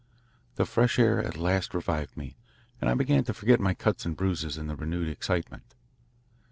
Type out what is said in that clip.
The fresh air at last revived me, and I began to forget my cuts and bruises in the renewed excitement.